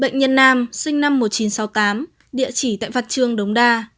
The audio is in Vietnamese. bệnh nhân nam sinh năm một nghìn chín trăm sáu mươi tám địa chỉ tại vặt trương đồng đa